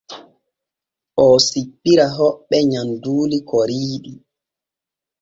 Oo sippira hoɓɓe nyamduuli koriiɗi.